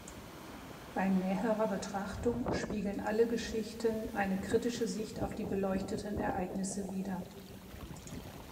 Bei näherer Betrachtung spiegeln alle Geschichten eine kritische Sicht auf die beleuchteten Ereignisse wider.